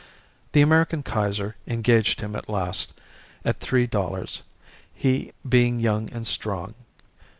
The American Kaiser engaged him at last at three dollars, he being young and strong.